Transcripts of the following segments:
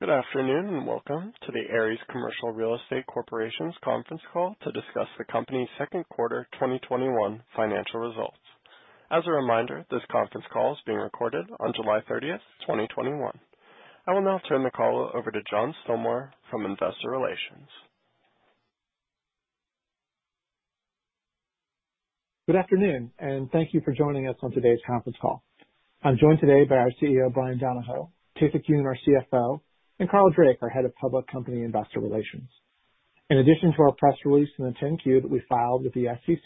Good afternoon, and welcome to the Ares Commercial Real Estate Corporation's conference call to discuss the company's second quarter 2021 financial results. As a reminder, this conference call is being recorded on July 30, 2021. I will now turn the call over to John Stilmar from Investor Relations. Good afternoon? Thank you for joining us on today's conference call. I'm joined today by our Chief Executive Officer, Bryan Donohoe, Tae-Sik Yoon, our Chief Financial Officer, and Carl Drake, our Head of Public Company Investor Relations. In addition to our press release in the 10-Q that we filed with the SEC,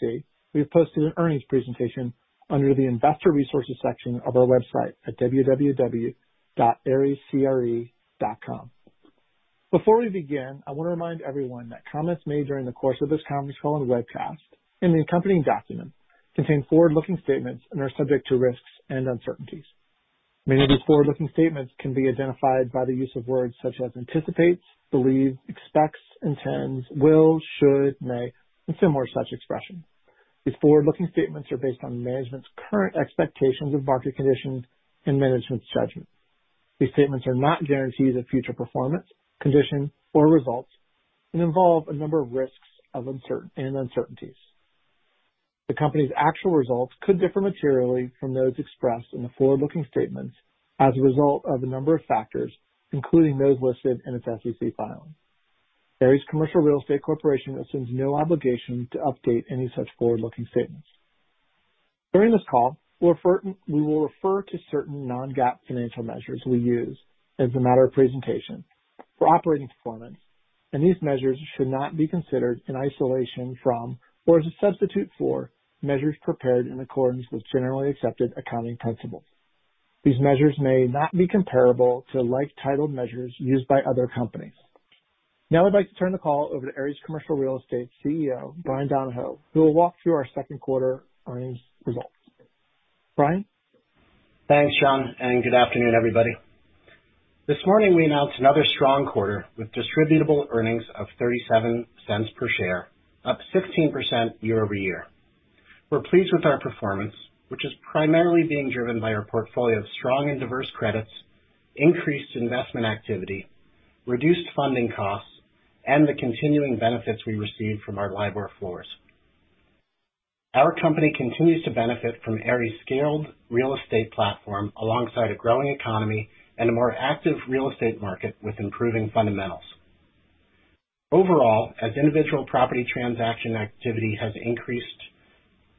we have posted an earnings presentation under the investor resources section of our website at www.arescre.com. Before we begin, I want to remind everyone that comments made during the course of this conference call and webcast, and the accompanying documents, contain forward-looking statements and are subject to risks and uncertainties. Many of these forward-looking statements can be identified by the use of words such as anticipates, believe, expects, intends, will, should, may, and similar such expression. These forward-looking statements are based on management's current expectations of market conditions and management's judgment. These statements are not guarantees of future performance, condition, or results, and involve a number of risks and uncertainties. The company's actual results could differ materially from those expressed in the forward-looking statements as a result of a number of factors, including those listed in its SEC filing. Ares Commercial Real Estate Corporation assumes no obligation to update any such forward-looking statements. During this call, we will refer to certain non-GAAP financial measures we use as a matter of presentation for operating performance, and these measures should not be considered in isolation from, or as a substitute for, measures prepared in accordance with generally accepted accounting principles. These measures may not be comparable to like-titled measures used by other companies. Now I'd like to turn the call over to Ares Commercial Real Estate Chief Executive Officer, Bryan Donohoe, who will walk through our second quarter earnings results. Bryan? Thanks, John, and good afternoon, everybody? This morning, we announced another strong quarter with distributable earnings of $0.37 per share, up 16% year-over-year. We're pleased with our performance, which is primarily being driven by our portfolio of strong and diverse credits, increased investment activity, reduced funding costs, and the continuing benefits we receive from our LIBOR floors. Our company continues to benefit from Ares' scaled real estate platform alongside a growing economy and a more active real estate market with improving fundamentals. Overall, as individual property transaction activity has increased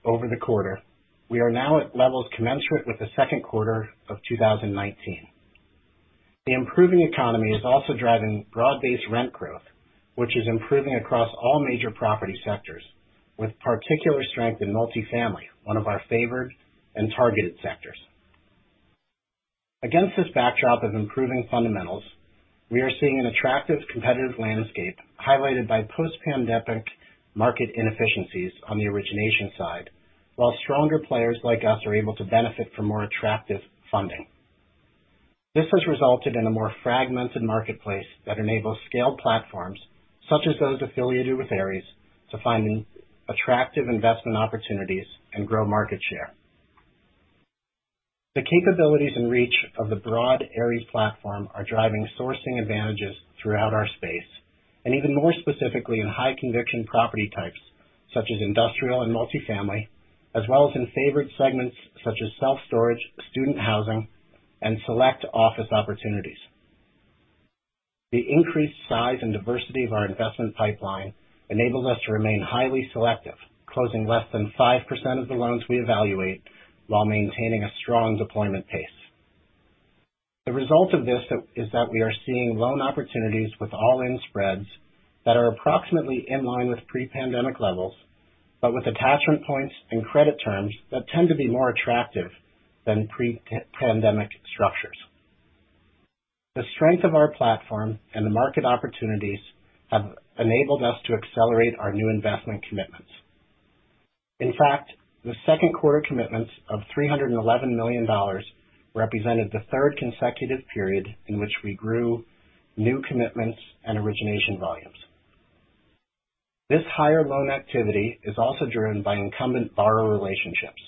over the quarter, we are now at levels commensurate with the second quarter of 2019. The improving economy is also driving broad-based rent growth, which is improving across all major property sectors with particular strength in multifamily, one of our favored and targeted sectors. Against this backdrop of improving fundamentals, we are seeing an attractive competitive landscape highlighted by post-pandemic market inefficiencies on the origination side, while stronger players like us are able to benefit from more attractive funding. This has resulted in a more fragmented marketplace that enables scaled platforms, such as those affiliated with Ares, to find attractive investment opportunities and grow market share. The capabilities and reach of the broad Ares platform are driving sourcing advantages throughout our space, and even more specifically in high conviction property types such as industrial and multifamily, as well as in favored segments such as self-storage, student housing, and select office opportunities. The increased size and diversity of our investment pipeline enables us to remain highly selective, closing less than 5% of the loans we evaluate while maintaining a strong deployment pace. The result of this is that we are seeing loan opportunities with all-in spreads that are approximately in line with pre-pandemic levels, but with attachment points and credit terms that tend to be more attractive than pre-pandemic structures. The strength of our platform and the market opportunities have enabled us to accelerate our new investment commitments. In fact, the second quarter commitments of $311 million represented the third consecutive period in which we grew new commitments and origination volumes. This higher loan activity is also driven by incumbent borrower relationships,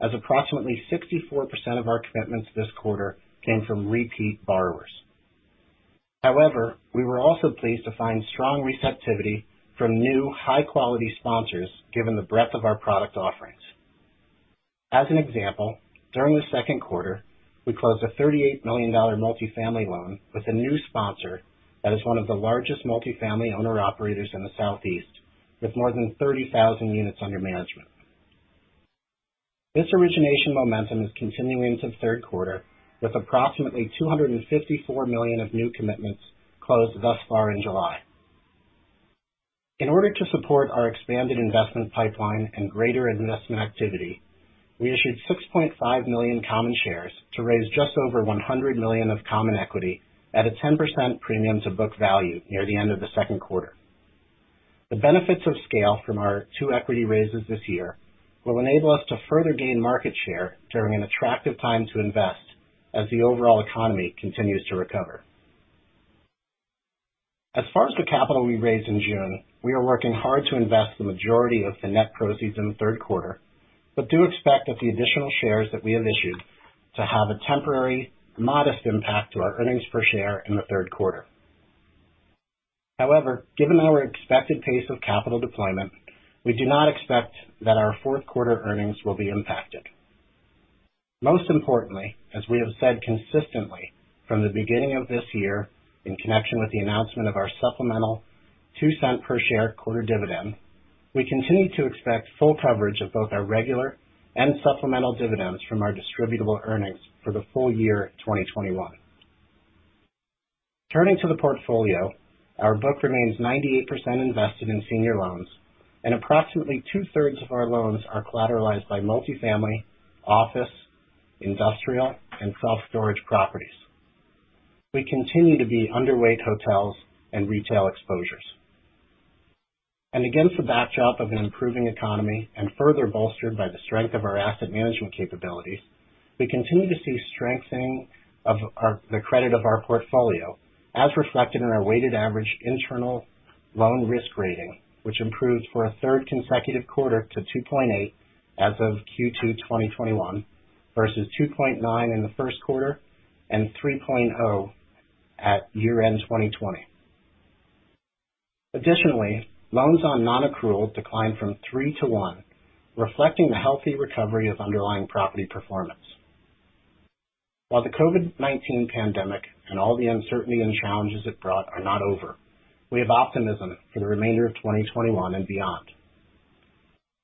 as approximately 64% of our commitments this quarter came from repeat borrowers. However, we were also pleased to find strong receptivity from new high-quality sponsors given the breadth of our product offerings. As an example, during the second quarter, we closed a $38 million multifamily loan with a new sponsor that is one of the largest multifamily owner operators in the Southeast, with more than 30,000 units under management. This origination momentum is continuing into the third quarter, with approximately $254 million of new commitments closed thus far in July. In order to support our expanded investment pipeline and greater investment activity, we issued 6.5 million common shares to raise just over $100 million of common equity at a 10% premium to book value near the end of the second quarter. The benefits of scale from our two equity raises this year will enable us to further gain market share during an attractive time to invest as the overall economy continues to recover. As far as the capital we raised in June, we are working hard to invest the majority of the net proceeds in the third quarter, but do expect that the additional shares that we have issued to have a temporary modest impact to our earnings per share in the third quarter. However, given our expected pace of capital deployment, we do not expect that our fourth quarter earnings will be impacted. Most importantly, as we have said consistently from the beginning of this year in connection with the announcement of our supplemental $0.02 per share quarter dividend, we continue to expect full coverage of both our regular and supplemental dividends from our distributable earnings for the full year 2021. Turning to the portfolio, our book remains 98% invested in senior loans. Approximately 2/3 Of our loans are collateralized by multifamily, office, industrial, and self-storage properties. We continue to be underweight hotels and retail exposures. Against the backdrop of an improving economy and further bolstered by the strength of our asset management capabilities, we continue to see strengthening of the credit of our portfolio, as reflected in our weighted average internal loan risk rating, which improved for a third consecutive quarter to 2.8 as of Q2 2021 versus 2.9 in the first quarter and 3.0 at year-end 2020. Additionally, loans on nonaccrual declined from three to one, reflecting the healthy recovery of underlying property performance. While the COVID-19 pandemic and all the uncertainty and challenges it brought are not over, we have optimism for the remainder of 2021 and beyond.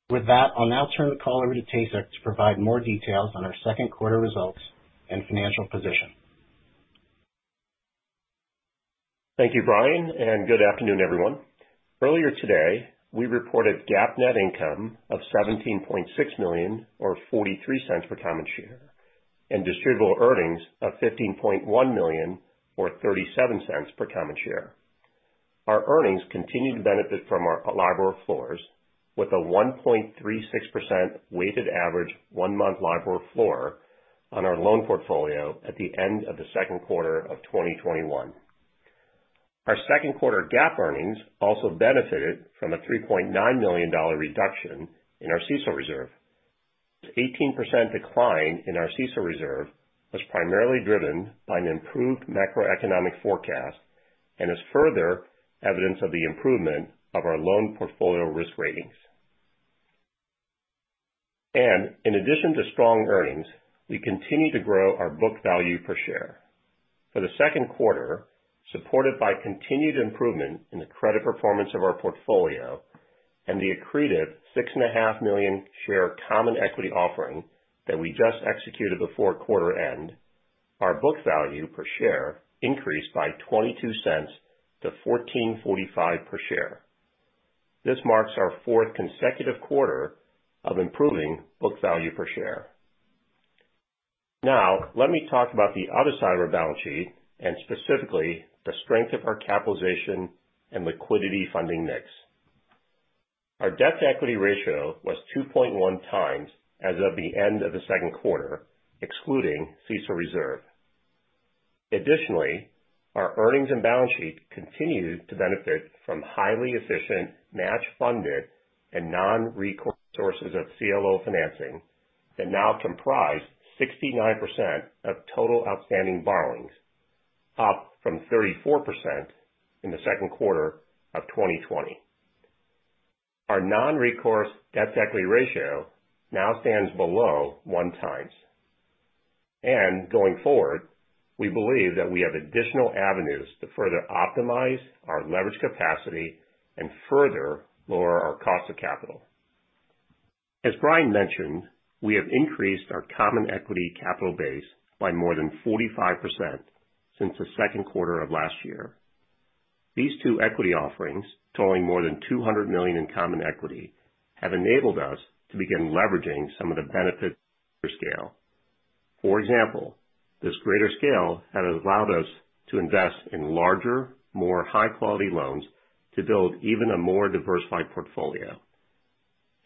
With that, I'll now turn the call over to Tae-Sik to provide more details on our second quarter results and financial position. Thank you, Bryan, good afternoon everyone? Earlier today, we reported GAAP net income of $17.6 million or $0.43 per common share and distributable earnings of $15.1 million or $0.37 per common share. Our earnings continued to benefit from our LIBOR floors with a 1.36% weighted average one-month LIBOR floor on our loan portfolio at the end of the second quarter of 2021. Our second quarter GAAP earnings also benefited from a $3.9 million reduction in our CECL reserve. 18% decline in our CECL reserve was primarily driven by an improved macroeconomic forecast and is further evidence of the improvement of our loan portfolio risk ratings. In addition to strong earnings, we continue to grow our book value per share. For the second quarter, supported by continued improvement in the credit performance of our portfolio and the accretive 6.5 million share common equity offering that we just executed before quarter end, our book value per share increased by $0.22 to $14.45 per share. This marks our fourth consecutive quarter of improving book value per share. Now, let me talk about the other side of our balance sheet, and specifically the strength of our capitalization and liquidity funding mix. Our debt-to-equity ratio was 2.1x as of the end of the second quarter, excluding CECL reserve. Additionally, our earnings and balance sheet continued to benefit from highly efficient match funded and non-recourse sources of CLO financing that now comprise 69% of total outstanding borrowings, up from 34% in the second quarter of 2020. Our non-recourse debt-to-equity ratio now stands below 1x. Going forward, we believe that we have additional avenues to further optimize our leverage capacity and further lower our cost of capital. As Bryan Donohoe, we have increased our common equity capital base by more than 45% since the second quarter of last year. These two equity offerings, totaling more than $200 million in common equity, have enabled us to begin leveraging some of the benefits of scale. For example, this greater scale has allowed us to invest in larger, more high-quality loans to build even a more diversified portfolio.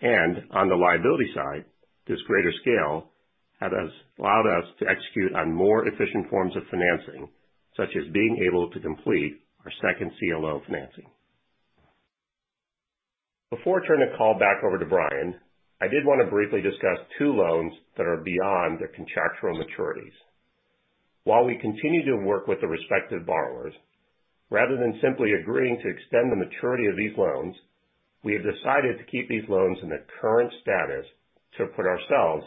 On the liability side, this greater scale has allowed us to execute on more efficient forms of financing, such as being able to complete our second CLO financing. Before turning the call back over to Bryan, I did want to briefly discuss two loans that are beyond their contractual maturities. While we continue to work with the respective borrowers, rather than simply agreeing to extend the maturity of these loans, we have decided to keep these loans in their current status to put ourselves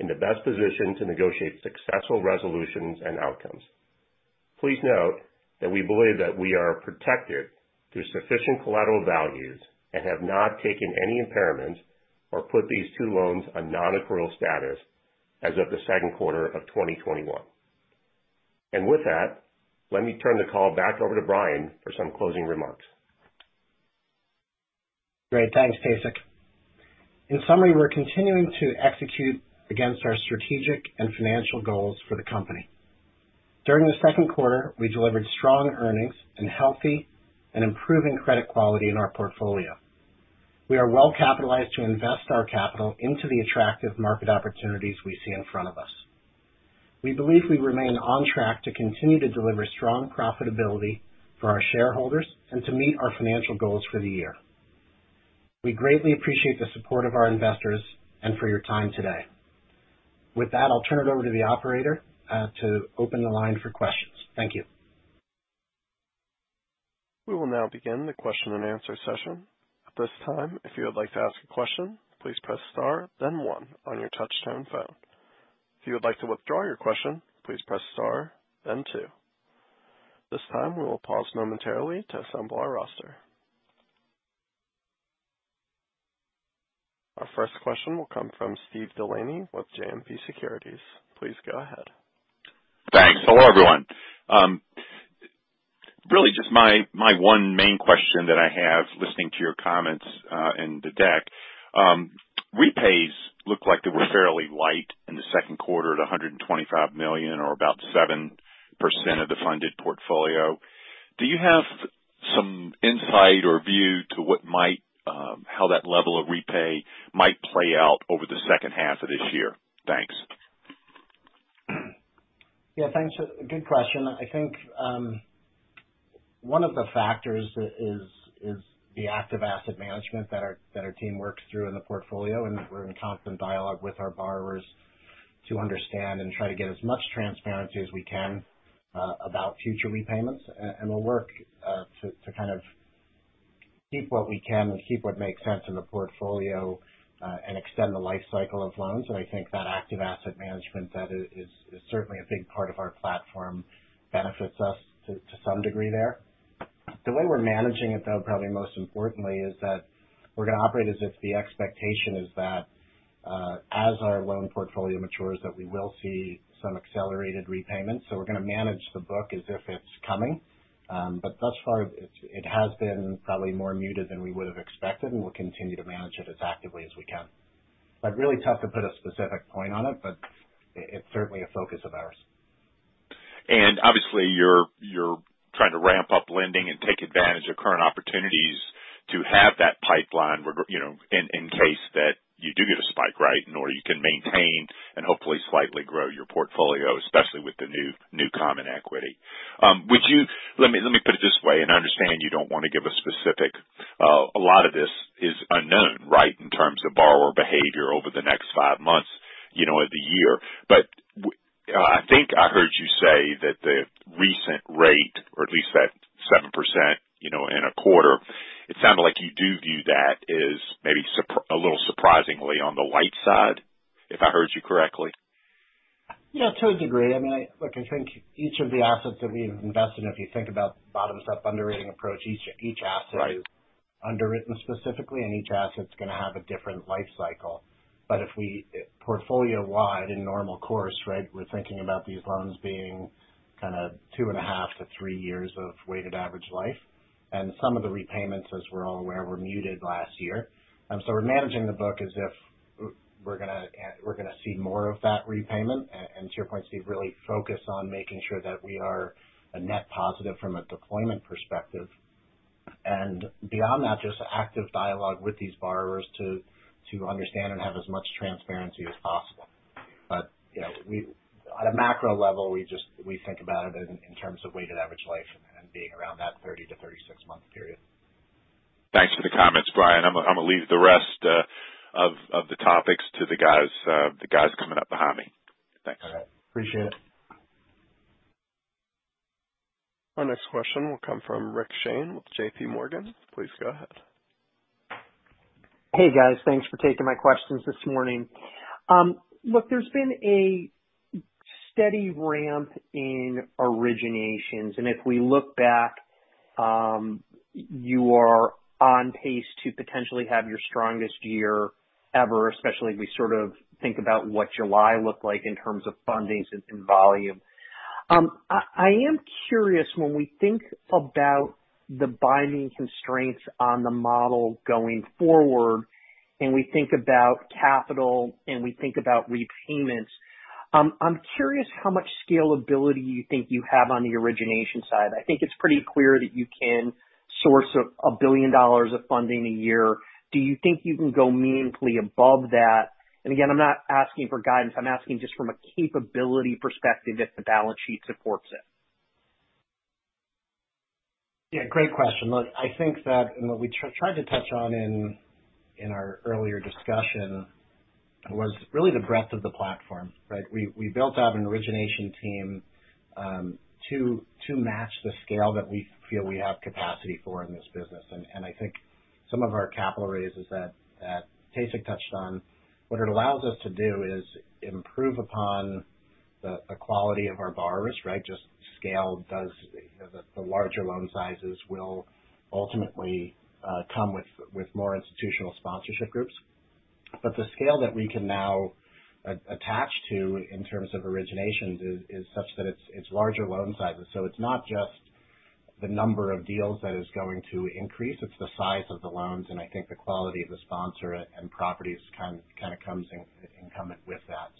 in the best position to negotiate successful resolutions and outcomes. Please note that we believe that we are protected through sufficient collateral values and have not taken any impairments or put these two loans on nonaccrual status as of the second quarter of 2021. With that, let me turn the call back over to Bryan for some closing remarks. Great. Thanks, Tae-Sik. In summary, we're continuing to execute against our strategic and financial goals for the company. During the second quarter, we delivered strong earnings and healthy and improving credit quality in our portfolio. We are well capitalized to invest our capital into the attractive market opportunities we see in front of us. We believe we remain on track to continue to deliver strong profitability for our shareholders and to meet our financial goals for the year. We greatly appreciate the support of our investors and for your time today. With that, I'll turn it over to the operator, to open the line for questions. Thank you. We will now begin the question-and-answer session. If you would like to ask a question please press star then one on your touch tone phone. If you would like to withdraw your question press star then two. This time we will pause momentarily to assemble the roster. Our first question will come from Steve DeLaney with JMP Securities, please go ahead. Thanks. Hello, everyone? Really just my one main question that I have listening to your comments, and the deck. Repays look like they were fairly light in the second quarter at $125 million or about 7% of the funded portfolio. Do you have some insight or view to how that level of repay might play out over the second half of this year? Thanks. Yeah, thanks. Good question. I think, one of the factors is the active asset management that our team works through in the portfolio, and we're in constant dialogue with our borrowers to understand and try to get as much transparency as we can, about future repayments. We'll work to kind of keep what we can and keep what makes sense in the portfolio, and extend the life cycle of loans. I think that active asset management that is certainly a big part of our platform benefits us to some degree there. The way we're managing it, though, probably most importantly, is that we're going to operate as if the expectation is that, as our loan portfolio matures, that we will see some accelerated repayments. We're going to manage the book as if it's coming. Thus far it has been probably more muted than we would have expected, and we'll continue to manage it as actively as we can. Really tough to put a specific point on it, but it's certainly a focus of ours. Obviously you're trying to ramp up lending and take advantage of current opportunities to have that pipeline in case that you do get a spike, right? In order you can maintain and hopefully slightly grow your portfolio, especially with the new common equity. Let me put it this way, and I understand you don't want to give a specific. A lot of this is unknown, right, in terms of borrower behavior over the next five months of the year. I think I heard you say that the recent rate, or at least that 7% in a quarter, it sounded like you do view that as maybe a little surprisingly on the light side, if I heard you correctly. Yeah, to a degree. Look, I think each of the assets that we have invested in, if you think about bottom-up underwriting approach, each asset- Right Is underwritten specifically, and each asset is going to have a different life cycle. If we, portfolio-wide in normal course, right, we're thinking about these loans being kind of 2.5 years to 3 years of weighted average life. Some of the repayments, as we're all aware, were muted last year. We're managing the book as if we're going to see more of that repayment. To your point, Steve, really focus on making sure that we are a net positive from a deployment perspective. Beyond that, just active dialogue with these borrowers to understand and have as much transparency as possible. At a macro level, we think about it in terms of weighted average life and being around that 30 months to 36 month period. Thanks for the comments, Bryan. I'm going to leave the rest of the topics to the guys coming up behind me. Thanks. All right. Appreciate it. Our next question will come from Rich Shane with JPMorgan, please go ahead. Hey, guys. Thanks for taking my questions this morning. Look, there's been a steady ramp in originations, and if we look back, you are on pace to potentially have your strongest year ever, especially as we sort of think about what July looked like in terms of fundings and volume. I am curious when we think about the binding constraints on the model going forward, and we think about capital and we think about repayments. I'm curious how much scalability you think you have on the origination side. I think it's pretty clear that you can source a billion dollar of funding a year. Do you think you can go meaningfully above that? Again, I'm not asking for guidance. I'm asking just from a capability perspective if the balance sheet supports it. Yeah, great question. Look, I think that, and what we tried to touch on in our earlier discussion was really the breadth of the platform, right? We built out an origination team to match the scale that we feel we have capacity for in this business. I think some of our capital raises that Tae-Sik touched on, what it allows us to do is improve upon the quality of our borrowers, right? Just scale does. The larger loan sizes will ultimately come with more institutional sponsorship groups. The scale that we can now attach to in terms of originations is such that it's larger loan sizes. It's not just the number of deals that is going to increase, it's the size of the loans, and I think the quality of the sponsor and properties kind of comes incumbent with that.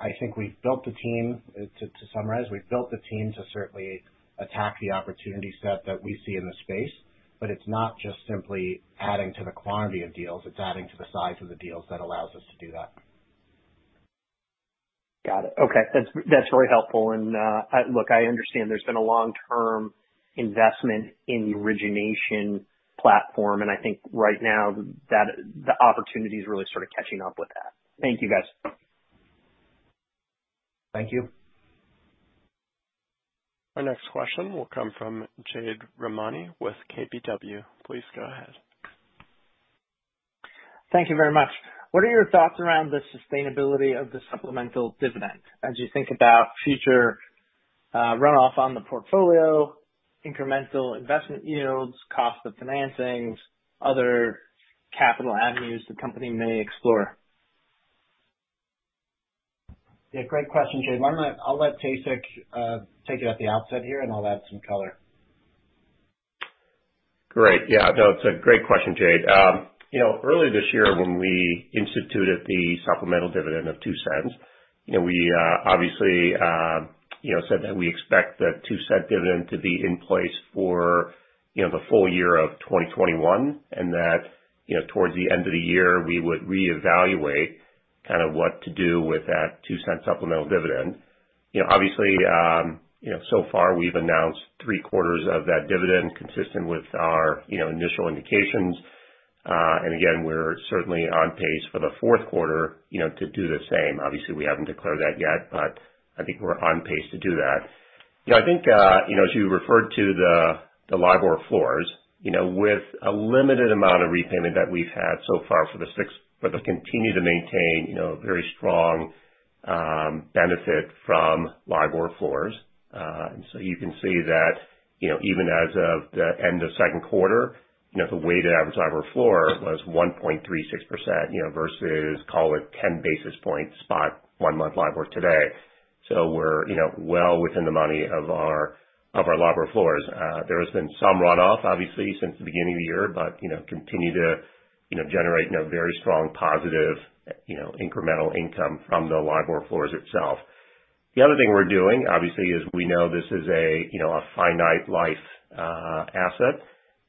I think we've built the team. To summarize, we've built the team to certainly attack the opportunity set that we see in the space. It's not just simply adding to the quantity of deals, it's adding to the size of the deals that allows us to do that. Got it. Okay. That's really helpful. Look, I understand there's been a long-term investment in the origination platform, and I think right now the opportunity is really sort of catching up with that. Thank you, guys. Thank you. Our next question will come from Jade Rahmani with KBW, please go ahead. Thank you very much. What are your thoughts around the sustainability of the supplemental dividend as you think about future runoff on the portfolio, incremental investment yields, cost of financings, other capital avenues the company may explore? Yeah, great question, Jade. I'll let Tae-Sik take it at the outset here, and I'll add some color. Great. Yeah, no, it's a great question, Jade. Early this year when we instituted the supplemental dividend of $0.02, we obviously said that we expect that $0.02 dividend to be in place for the full year of 2021, and that towards the end of the year, we would reevaluate what to do with that $0.02 supplemental dividend. Obviously, so far we've announced 3/4 of that dividend consistent with our initial indications. Again, we're certainly on pace for the fourth quarter to do the same. Obviously, we haven't declared that yet, but I think we're on pace to do that. I think as you referred to the LIBOR floors, with a limited amount of repayment that we've had so far for the six, but to continue to maintain very strong benefit from LIBOR floors. You can see that even as of the end of second quarter, the weighted average LIBOR floor was 1.36%, versus call it 10 basis points spot one month LIBOR today. We're well within the money of our LIBOR floors. There has been some runoff, obviously, since the beginning of the year, but continue to generate very strong positive incremental income from the LIBOR floors itself. The other thing we're doing, obviously, is we know this is a finite life asset,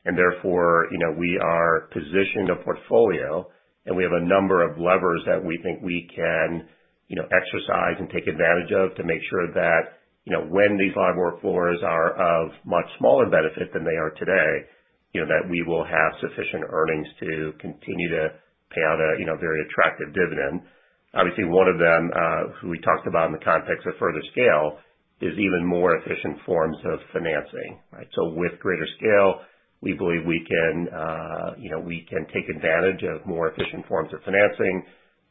and therefore, we are positioned a portfolio, and we have a number of levers that we think we can exercise and take advantage of to make sure that when these LIBOR floors are of much smaller benefit than they are today, that we will have sufficient earnings to continue to pay out a very attractive dividend. One of them we talked about in the context of further scale is even more efficient forms of financing. With greater scale, we believe we can take advantage of more efficient forms of financing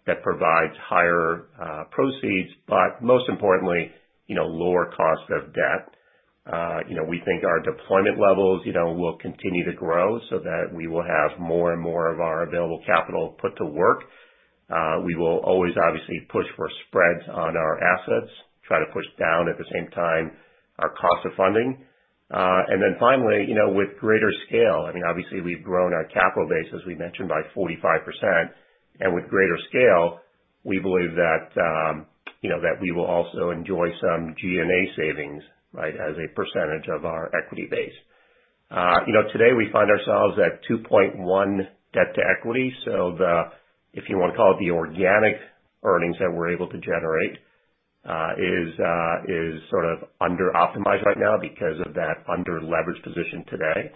that provides higher proceeds, but most importantly, lower cost of debt. We think our deployment levels will continue to grow so that we will have more and more of our available capital put to work. We will always obviously push for spreads on our assets, try to push down at the same time our cost of funding. Finally, with greater scale, I mean, obviously we've grown our capital base, as we mentioned, by 45%. With greater scale, we believe that we will also enjoy some G&A savings as a percentage of our equity base. Today, we find ourselves at 2.1 debt-to-equity. If you want to call it the organic earnings that we're able to generate is sort of under-optimized right now because of that under-leveraged position today.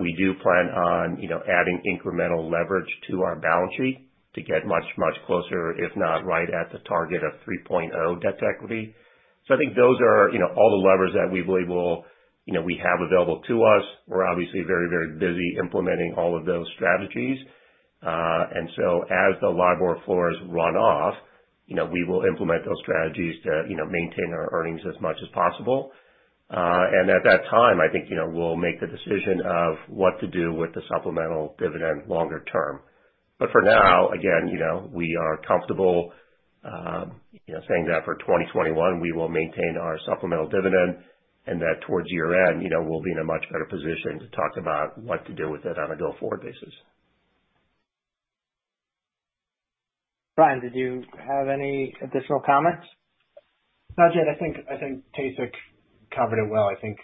We do plan on adding incremental leverage to our balance sheet to get much, much closer, if not right at the target of 3.0 debt to equity. I think those are all the levers that we believe we have available to us. We're obviously very, very busy implementing all of those strategies. As the LIBOR floors run off, we will implement those strategies to maintain our earnings as much as possible. At that time, I think we'll make the decision of what to do with the supplemental dividend longer term. For now, again, we are comfortable saying that for 2021, we will maintain our supplemental dividend and that towards year-end, we'll be in a much better position to talk about what to do with it on a go-forward basis. Bryan, did you have any additional comments? No, Jade, I think Tae-Sik covered it well. I think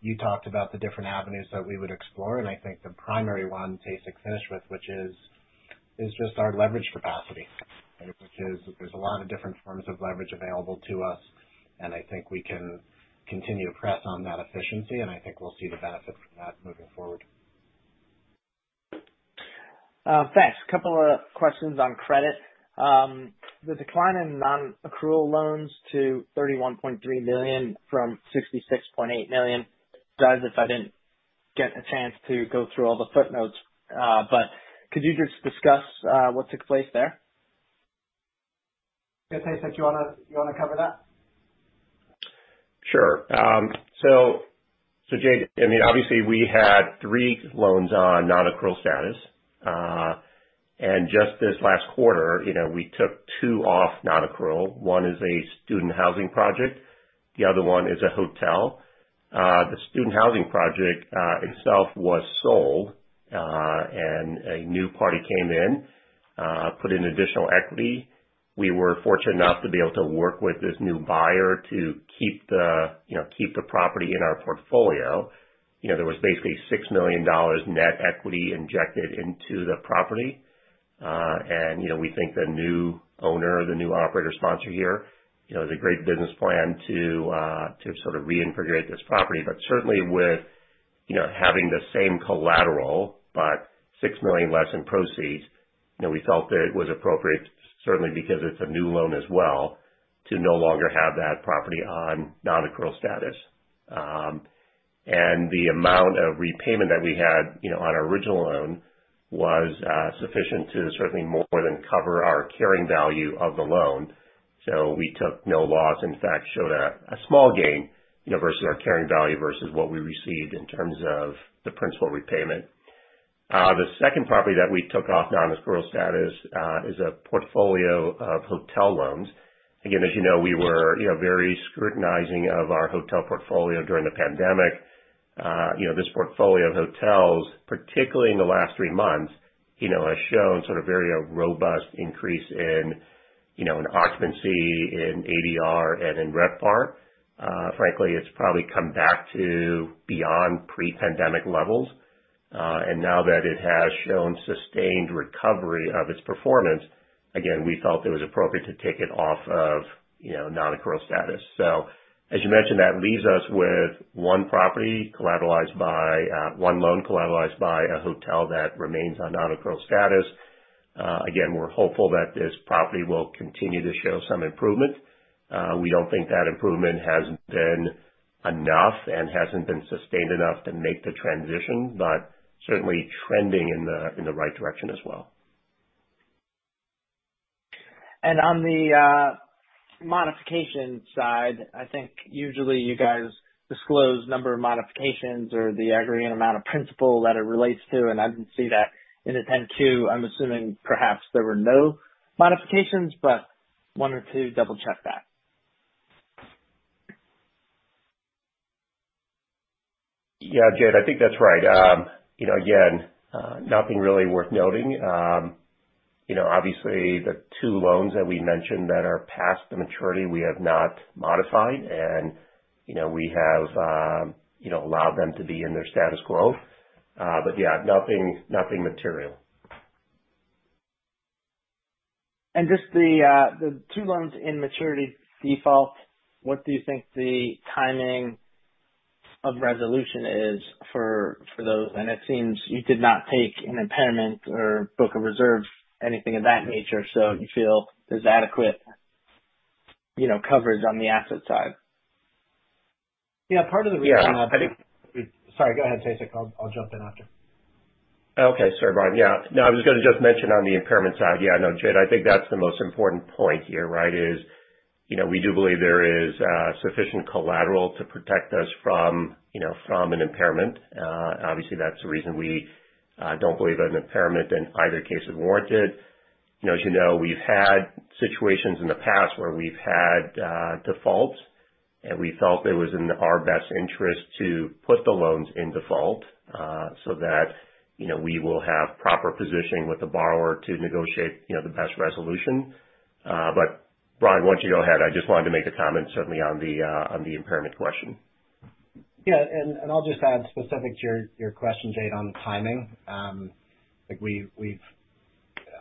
you talked about the different avenues that we would explore, and I think the primary one Tae-Sik finished with, which is just our leverage capacity. There's a lot of different forms of leverage available to us, and I think we can continue to press on that efficiency, and I think we'll see the benefit from that moving forward. Thanks. A couple of questions on credit. The decline in nonaccrual loans to $31.3 million from $66.8 million. Guys, if I didn't get a chance to go through all the footnotes. Could you just discuss what took place there? Yeah. Tae-Sik, you want to cover that? Sure. Jade, I mean, obviously we had three loans on nonaccrual status. Just this last quarter, we took two off nonaccrual. One is a student housing project, the other one is a hotel. The student housing project itself was sold, and a new party came in. Put in additional equity. We were fortunate enough to be able to work with this new buyer to keep the property in our portfolio. There was basically $6 million net equity injected into the property. We think the new owner, the new operator is happy to hear the great business plan to integrate in his property. Certainly with having the same collateral, but $6 million less in proceeds, we felt that it was appropriate, certainly because it's a new loan as well, to no longer have that property on nonaccrual status. The amount of repayment that we had on our original loan was sufficient to certainly more than cover our carrying value of the loan. We took no loss, in fact, showed a small gain, versus our carrying value versus what we received in terms of the principal repayment. The second property that we took off nonaccrual status is a portfolio of hotel loans. As you know, we were very scrutinizing of our hotel portfolio during the pandemic. This portfolio of hotels, particularly in the last three months, has shown a very robust increase in occupancy, in ADR, and in RevPAR. Frankly, it's probably come back to beyond pre-pandemic levels. Now that it has shown sustained recovery of its performance, again, we felt it was appropriate to take it off of nonaccrual status. As you mentioned, that leaves us with one loan collateralized by a hotel that remains on nonaccrual status. Again, we're hopeful that this property will continue to show some improvement. We don't think that improvement has been enough and hasn't been sustained enough to make the transition, but certainly trending in the right direction as well. On the modification side, I think usually you guys disclose number of modifications or the aggregate amount of principal that it relates to, I didn't see that in the 10-Q. I'm assuming perhaps there were no modifications, wanted to double-check that. Yeah, Jade, I think that's right. Nothing really worth noting. The two loans that we mentioned that are past the maturity, we have not modified and we have allowed them to be in their status quo. Yeah, nothing material. Just the two loans in maturity default, what do you think the timing of resolution is for those? It seems you did not take an impairment or book a reserve, anything of that nature. You feel there's adequate coverage on the asset side? Yeah. Yeah, I think- Sorry, go ahead, Tae-Sik. I'll jump in after. Okay. Sorry, Bryan Donohoe. I was going to just mention on the impairment side. Jade Rahmani, I think that's the most important point here is, we do believe there is sufficient collateral to protect us from an impairment. That's the reason we don't believe an impairment in either case is warranted. As you know, we've had situations in the past where we've had defaults, we felt it was in our best interest to put the loans in default that we will have proper positioning with the borrower to negotiate the best resolution. Bryan Donohoe, why don't you go ahead? I just wanted to make a comment certainly on the impairment question. I'll just add specific to your question, Jade, on the timing.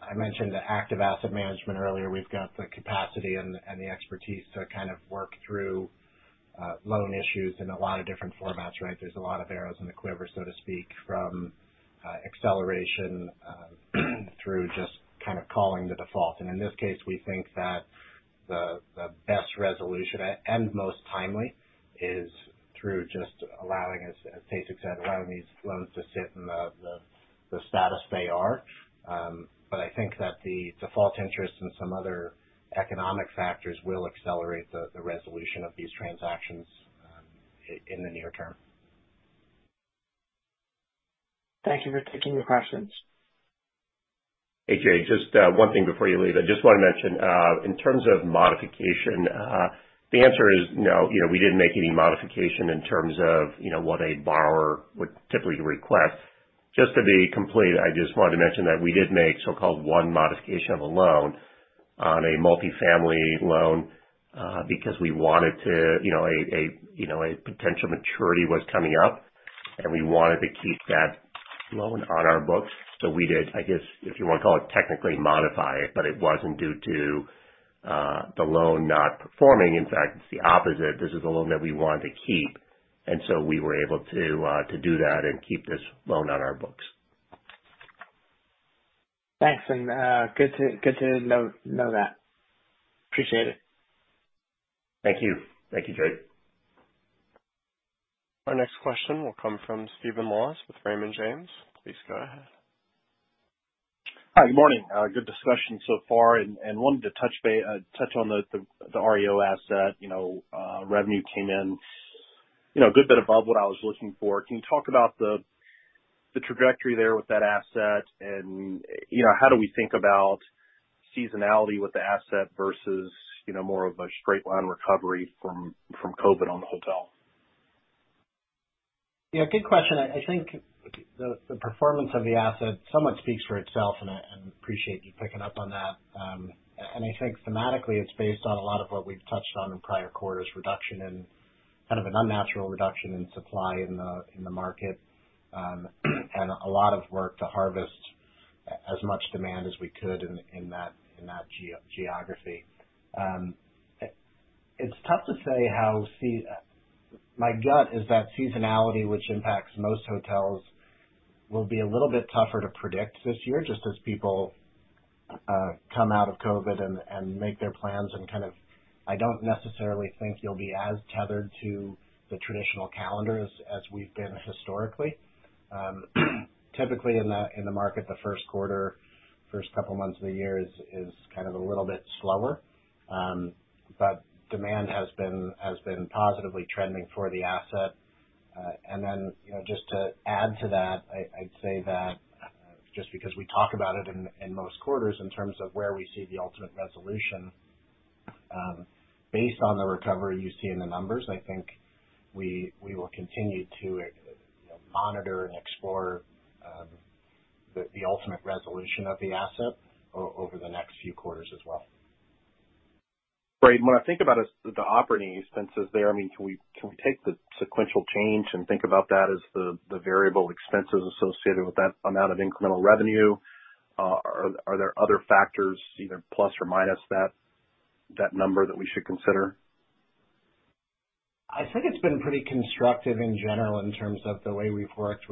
I mentioned the active asset management earlier. We've got the capacity and the expertise to work through loan issues in a lot of different formats. There's a lot of arrows in the quiver, so to speak, from acceleration through just calling the default. In this case, we think that the best resolution, and most timely, is through just, as Tae-Sik said, allowing these loans to sit in the status they are. I think that the default interest and some other economic factors will accelerate the resolution of these transactions in the near term. Thank you for taking the questions. Hey, Jade, just one thing before you leave. I just want to mention, in terms of modification the answer is no. We didn't make any modification in terms of what a borrower would typically request. Just to be complete, I just wanted to mention that we did make so-called one modification of a loan on a multifamily loan because a potential maturity was coming up, and we wanted to keep that loan on our books. We did, I guess, if you want to call it, technically modify it, but it wasn't due to the loan not performing. In fact, it's the opposite. This is a loan that we wanted to keep, and we were able to do that and keep this loan on our books. Thanks, and good to know that. Appreciate it. Thank you. Thank you, Jade. Our next question will come from Steven Moss with Raymond James, please go ahead. Hi. Good morning? Good discussion so far. Wanted to touch on the REO asset. Revenue came in a good bit above what I was looking for. Can you talk about the trajectory there with that asset? How do we think about seasonality with the asset versus more of a straight line recovery from COVID on the hotel? Yeah. Good question. I think the performance of the asset somewhat speaks for itself, and I appreciate you picking up on that. I think thematically it's based on a lot of what we've touched on in prior quarters, kind of an unnatural reduction in supply in the market, and a lot of work to harvest as much demand as we could in that geography. It's tough to say how. My gut is that seasonality, which impacts most hotels, will be a little bit tougher to predict this year just as people come out of COVID-19 and make their plans. I don't necessarily think you'll be as tethered to the traditional calendar as we've been historically. Typically in the market, the first quarter, first couple months of the year is kind of a little bit slower. Demand has been positively trending for the asset. Just to add to that, I'd say that just because we talk about it in most quarters in terms of where we see the ultimate resolution based on the recovery you see in the numbers, I think we will continue to monitor and explore the ultimate resolution of the asset over the next few quarters as well. Great. When I think about the operating expenses there, can we take the sequential change and think about that as the variable expenses associated with that amount of incremental revenue? Are there other factors either plus or minus that number that we should consider? I think it's been pretty constructive in general in terms of the way we've worked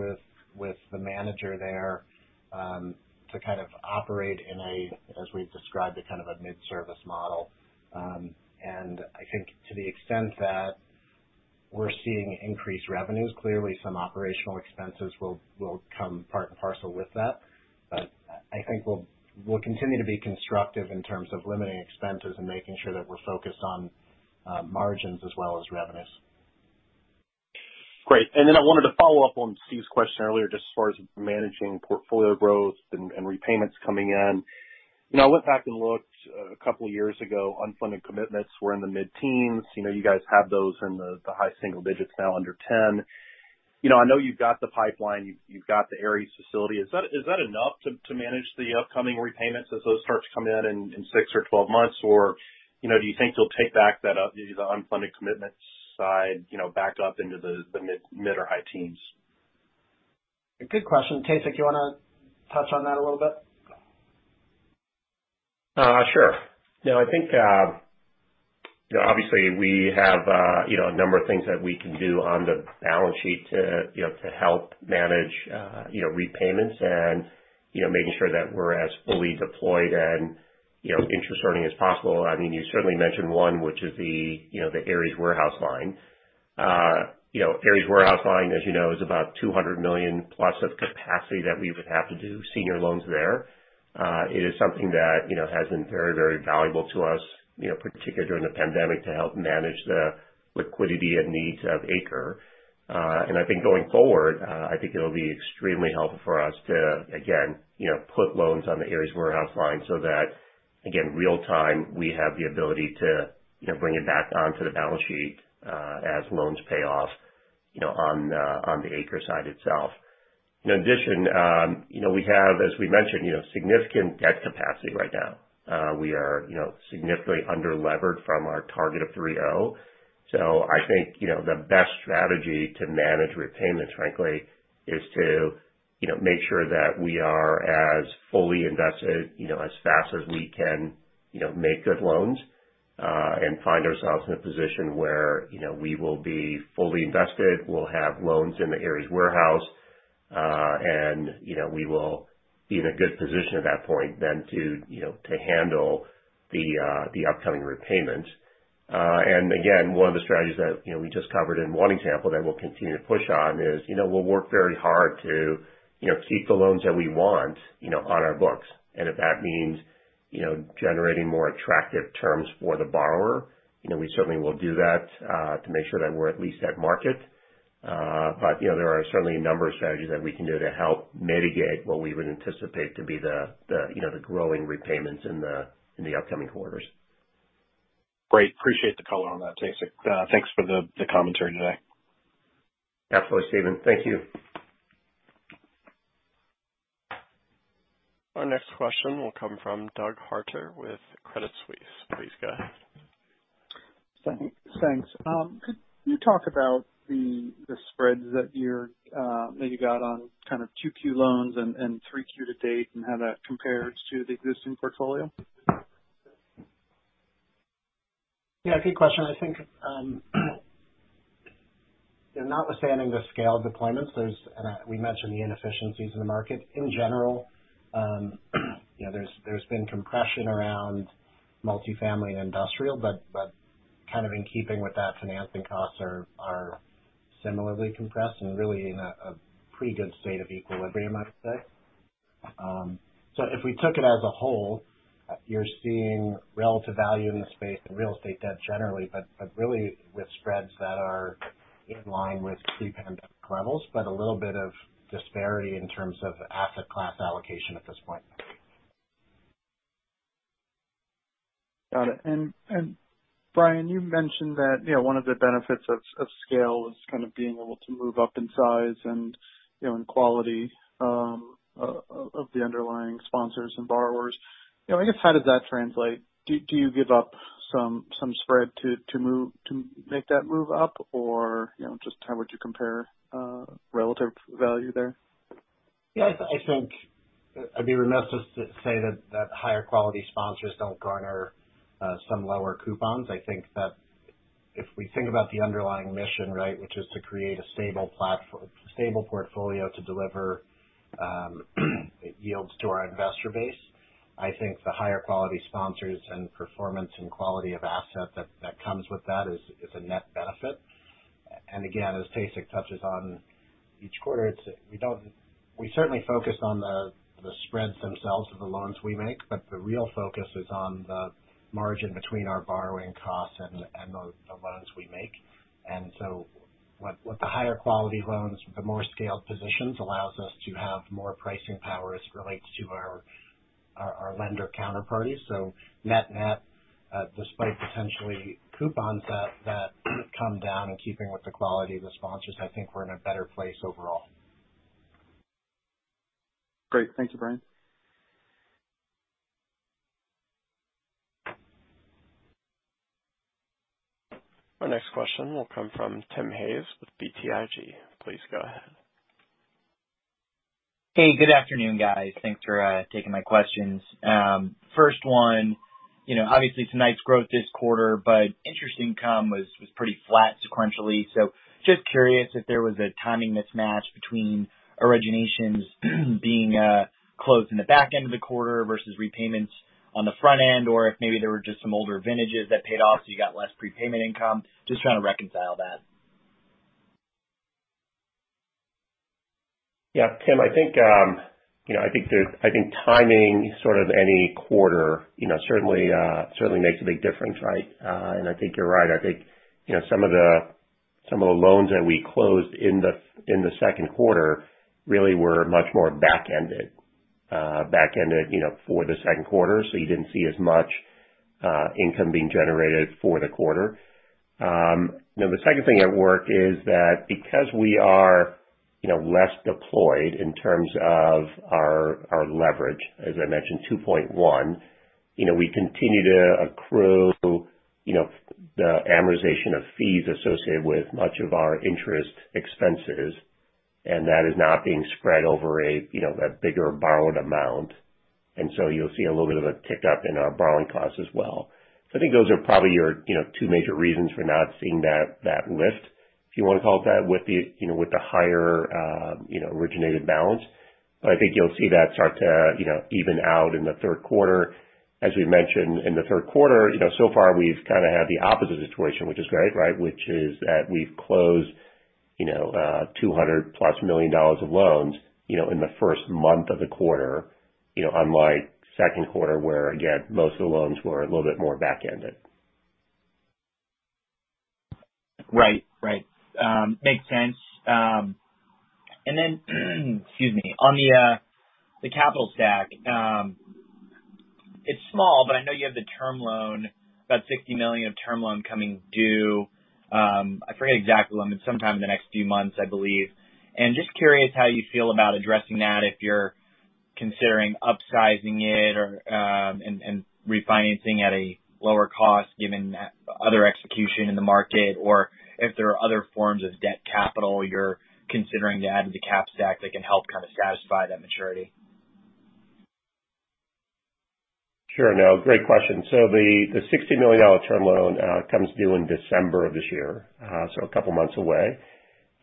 with the manager there to kind of operate in a, as we've described, a kind of a mid-service model. I think to the extent that we're seeing increased revenues, clearly some operational expenses will come part and parcel with that. I think we'll continue to be constructive in terms of limiting expenses and making sure that we're focused on margins as well as revenues. Great. I wanted to follow up on Steve DeLaney's question earlier, just as far as managing portfolio growth and repayments coming in. I went back and looked two years ago, unfunded commitments were in the mid-teens. You guys have those in the high single digits now under 10. I know you've got the pipeline, you've got the Ares facility. Is that enough to manage the upcoming repayments as those start to come in in six or 12 months? Or do you think you'll take back the unfunded commitment side back up into the mid or high teens? A good question. Tae-Sik, you want to touch on that a little bit? Sure. We have a number of things that we can do on the balance sheet to help manage repayments and making sure that we're as fully deployed and interest earning as possible. You certainly mentioned one, which is the Ares warehouse line. Ares warehouse line, as you know, is about $200 million plus of capacity that we would have to do senior loans there. It is something that has been very valuable to us, particularly during the pandemic, to help manage the liquidity and needs of ACRE. I think going forward, I think it'll be extremely helpful for us to, again, put loans on the Ares warehouse line so that, again, real time, we have the ability to bring it back onto the balance sheet as loans pay off on the ACRE side itself. In addition we have, as we mentioned, significant debt capacity right now. We are significantly under-levered from our target of 3.0. I think the best strategy to manage repayments, frankly, is to make sure that we are as fully invested as fast as we can make good loans, and find ourselves in a position where we will be fully invested. We'll have loans in the Ares warehouse, and we will be in a good position at that point then to handle the upcoming repayments. Again, one of the strategies that we just covered in one example that we'll continue to push on is we'll work very hard to keep the loans that we want on our books. If that means generating more attractive terms for the borrower, we certainly will do that to make sure that we're at least at market. There are certainly a number of strategies that we can do to help mitigate what we would anticipate to be the growing repayments in the upcoming quarters. Great. Appreciate the color on that, Tae-Sik. Thanks for the commentary today. Absolutely, Steven. Thank you. Our next question will come from Doug Harter with Credit Suisse, please go ahead. Thanks. Could you talk about the spreads that you got on kind of 2Q loans and 3Q to date, and how that compares to the existing portfolio? Yeah. Good question. I think, notwithstanding the scale deployments, we mentioned the inefficiencies in the market in general. There's been compression around multifamily and industrial, but kind of in keeping with that, financing costs are similarly compressed and really in a pretty good state of equilibrium, I'd say. If we took it as a whole, you're seeing relative value in the space in real estate debt generally, but really with spreads that are in line with pre-pandemic levels, but a little bit of disparity in terms of asset class allocation at this point. Got it. Bryan, you mentioned that one of the benefits of scale is kind of being able to move up in size and in quality of the underlying sponsors and borrowers. I guess, how does that translate? Do you give up some spread to make that move up? Or just how would you compare relative value there? Yeah. I think I'd be remiss to say that higher quality sponsors don't garner some lower coupons. I think that if we think about the underlying mission, right, which is to create a stable portfolio to deliver yields to our investor base. I think the higher quality sponsors and performance and quality of asset that comes with that is a net benefit. Again, as Tae-Sik touches on each quarter, we certainly focus on the spreads themselves of the loans we make, but the real focus is on the margin between our borrowing costs and the loans we make. With the higher quality loans, the more scaled positions allows us to have more pricing power as it relates to our lender counterparties. Net-net, despite potentially coupons that come down in keeping with the quality of the sponsors, I think we're in a better place overall. Great. Thank you, Bryan. Our next question will come from Tim Hayes with BTIG, please go ahead. Hey, good afternoon guys? Thanks for taking my questions. First one, obviously net growth this quarter, interest income was pretty flat sequentially. Just curious if there was a timing mismatch between originations being closed in the back end of the quarter versus repayments on the front end, or if maybe there were just some older vintages that paid off, so you got less prepayment income. Just trying to reconcile that. Yeah, Tim, I think timing sort of any quarter certainly makes a big difference, right? I think you're right. I think some of the loans that we closed in the second quarter really were much more back-ended for the second quarter. You didn't see as much income being generated for the quarter. The second thing at work is that because we are less deployed in terms of our leverage, as I mentioned, 2.1, we continue to accrue the amortization of fees associated with much of our interest expenses, and that is not being spread over a bigger borrowed amount. You'll see a little bit of a tick up in our borrowing costs as well. I think those are probably your two major reasons for not seeing that lift, if you want to call it that, with the higher originated balance. I think you'll see that start to even out in the third quarter. We've mentioned, in the third quarter, so far we've kind of had the opposite situation, which is great, right. Which is that we've closed $200+ million of loans in the first month of the quarter. Unlike second quarter, where, again, most of the loans were a little bit more back-ended. Right. Makes sense. Then on the capital stack. It's small, but I know you have the term loan, about $60 million of term loan coming due. I forget exactly when, but sometime in the next few months, I believe. Just curious how you feel about addressing that, if you're considering upsizing it and refinancing at a lower cost given other execution in the market, or if there are other forms of debt capital you're considering to add to the cap stack that can help kind of satisfy that maturity Sure. No, great question. The $60 million term loan comes due in December of this year. A couple of months away.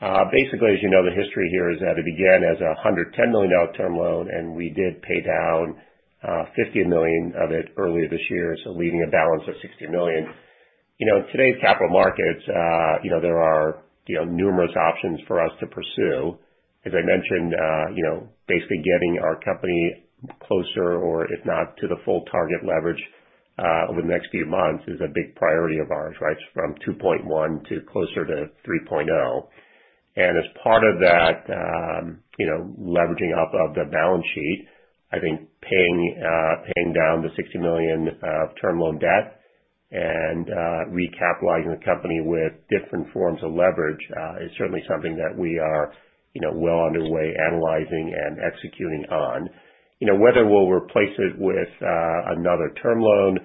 Basically, as you know, the history here is that it began as a $110 million term loan, and we did pay down $50 million of it earlier this year. Leaving a balance of $60 million. In today's capital markets there are numerous options for us to pursue. As I mentioned, basically getting our company closer or if not to the full target leverage over the next few months is a big priority of ours, right? From 2.1 to closer to 3.0. As part of that leveraging up of the balance sheet, I think paying down the $60 million of term loan debt and recapitalizing the company with different forms of leverage is certainly something that we are well underway analyzing and executing on. Whether we'll replace it with another term loan,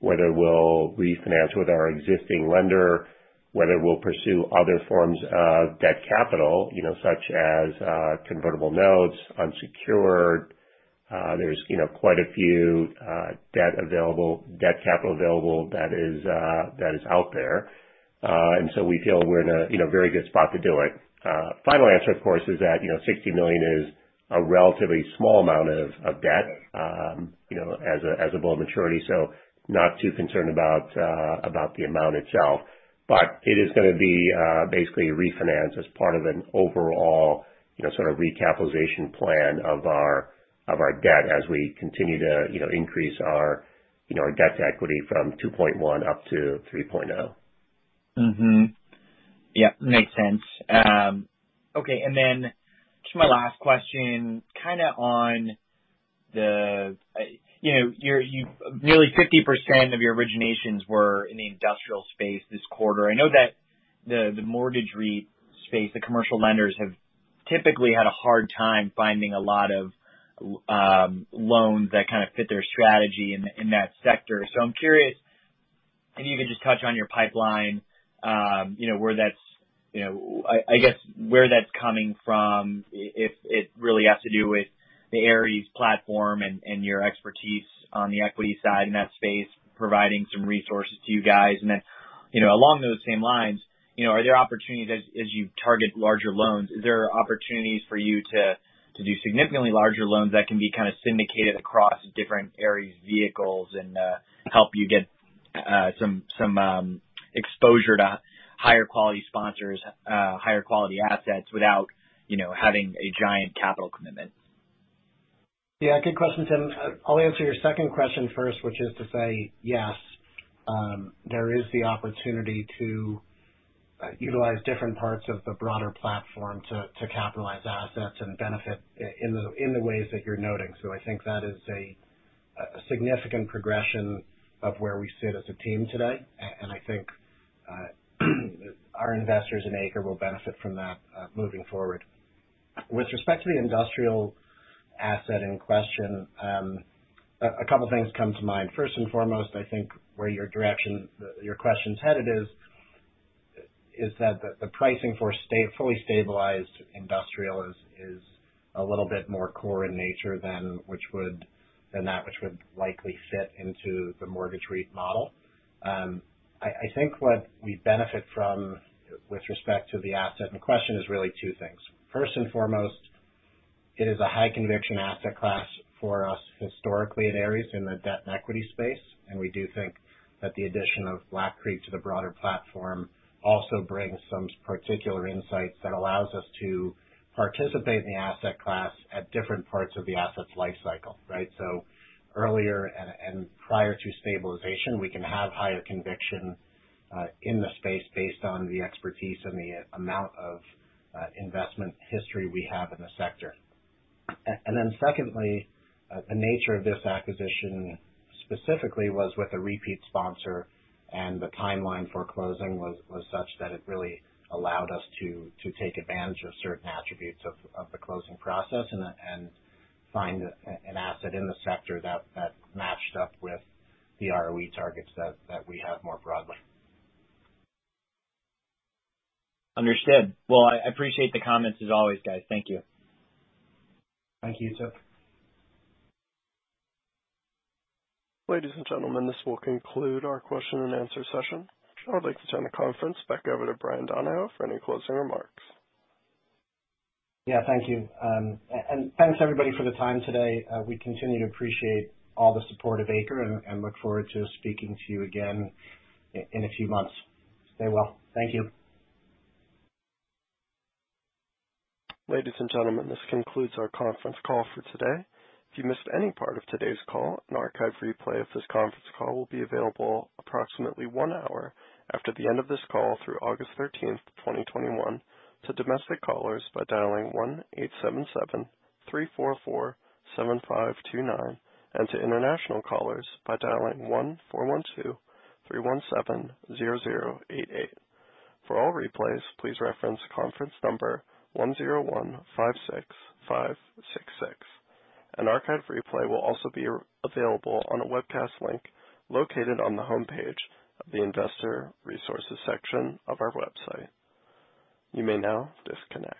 whether we'll refinance with our existing lender, whether we'll pursue other forms of debt capital, such as convertible notes, unsecured. There's quite a few debt capital available that is out there. We feel we're in a very good spot to do it. Final answer, of course, is that $60 million is a relatively small amount of debt as a bullet maturity, so not too concerned about the amount itself. It is going to be basically refinanced as part of an overall sort of recapitalization plan of our debt as we continue to increase our debt to equity from 2.1 up to 3.0. Makes sense. To my last question, nearly 50% of your originations were in the industrial space this quarter. I know that the mortgage REIT space, the commercial lenders, have typically had a hard time finding a lot of loans that fit their strategy in that sector. I'm curious if you could just touch on your pipeline, I guess where that's coming from, if it really has to do with the Ares platform and your expertise on the equity side in that space, providing some resources to you guys. Along those same lines, as you target larger loans, is there opportunities for you to do significantly larger loans that can be syndicated across different Ares vehicles and help you get some exposure to higher quality sponsors, higher quality assets without having a giant capital commitment? Good question, Tim. I'll answer your second question first, which is to say, yes, there is the opportunity to utilize different parts of the broader platform to capitalize assets and benefit in the ways that you're noting. I think that is a significant progression of where we sit as a team today, and I think our investors in ACRE will benefit from that moving forward. With respect to the industrial asset in question, a couple things come to mind. First and foremost, I think where your question's headed is that the pricing for fully stabilized industrial is a little bit more core in nature than that which would likely fit into the mortgage REIT model. I think what we benefit from with respect to the asset in question is really two things. First and foremost, it is a high conviction asset class for us historically at Ares in the debt and equity space. We do think that the addition of Black Creek to the broader platform also brings some particular insights that allows us to participate in the asset class at different parts of the asset's life cycle. Right? Earlier and prior to stabilization, we can have higher conviction in the space based on the expertise and the amount of investment history we have in the sector. Secondly, the nature of this acquisition specifically was with a repeat sponsor, and the timeline for closing was such that it really allowed us to take advantage of certain attributes of the closing process and find an asset in the sector that matched up with the ROE targets that we have more broadly. Understood. Well, I appreciate the comments as always, guys. Thank you. Thank you, Tim. Ladies and gentlemen, this will conclude our question-and-answer session. I would like to turn the conference back over to Bryan Donohoe for any closing remarks. Thank you. Thanks everybody for the time today. We continue to appreciate all the support of ACRE and look forward to speaking to you again in a few months. Stay well. Thank you. Ladies and gentlemen, this concludes our conference call for today. If you missed any part of today's call, an archived replay of this conference call will be available approximately one hour after the end of this call through August 13, 2021 to domestic callers by dialing one eight seven seven three four four seven five two nine, and to international callers by dialing one four one two three one seven zero zero eight eight. For all replays, please reference conference number 10156566. An archived replay will also be available on a webcast link located on the homepage of the Investor Resources section of our website, you may now disconnect.